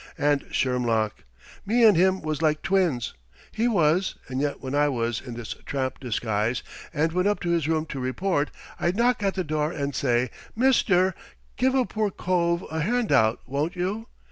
And Shermlock! Me and him was like twins, we was, and yet when I was in this tramp disguise and went up to his room to report, I'd knock at the door and say, 'Mister, give a poor cove a hand out, won't you?'